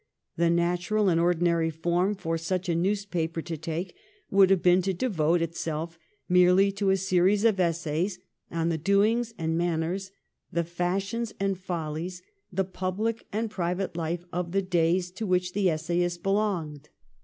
The natural and ordinary form for such a newspaper to take would have been to devote itself merely to a series of essays on the doings and manners, the fashions and follies, the public and private life of the days to which the essayists belonged.